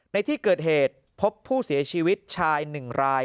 ในที่เกิดเหตุพบผู้เสียชีวิตชาย๑ราย